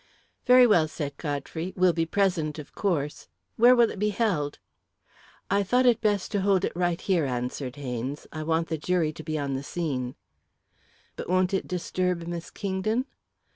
"Very well," said Godfrey. "We'll be present, of course. Where will it be held?" "I thought it best to hold it right here," answered Haynes, "I want the jury to be on the scene." "But won't it disturb Miss Kingdon?"